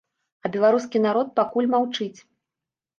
А беларускі народ пакуль маўчыць.